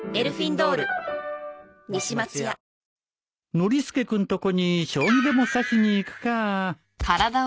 ノリスケ君とこに将棋でも指しに行くか